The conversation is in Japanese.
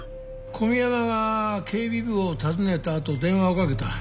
小宮山が警備部を訪ねた後電話をかけた。